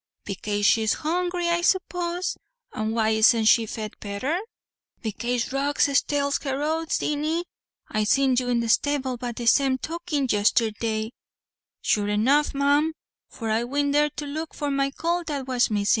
"Bekase she's hungry, I suppose; and why isn't she fed betther?" "Bekase rogues stales her oats, Dinny. I seen you in the stable by the same token yistherday." "Sure enough, ma'am, for I wint there to look for my cowlt that was missin'."